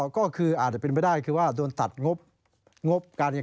ก็คืออาจจะเป็นไปได้คือว่าโดนตัดงบการเรียน